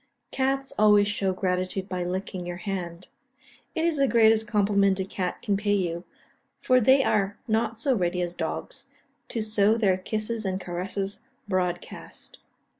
Cats always show gratitude by licking your hand; it is the greatest compliment a cat can pay you, for they are not so ready as dogs, to sow their kisses and caresses broad cast.